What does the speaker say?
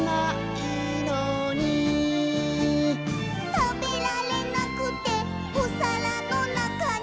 「たべられなくておさらのなかに」